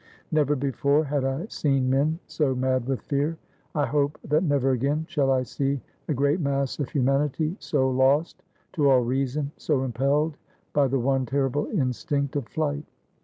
Never before had I seen men so mad with fear. I hope that never again shall I see a great mass of humanity so lost to all reason, so impelled by the one terrible instinct of flight.